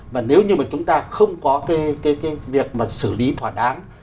và nếu như mà chúng ta không có cái việc mà xử lý thỏa đáng